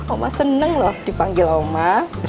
oma seneng lho dipanggil oma